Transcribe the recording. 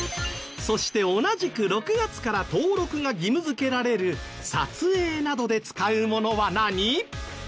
そして同じく６月から登録が義務づけられる撮影などで使うものは何？